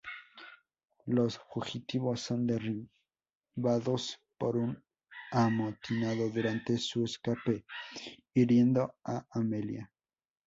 Los fugitivos son derribados por un amotinado durante su escape, hiriendo a Amelia.